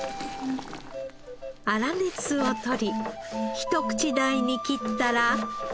粗熱を取り一口大に切ったら。